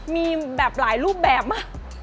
มีแบบหลายรูปแบบมาก